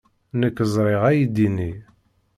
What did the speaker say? Nekk ẓriɣ aydi-nni.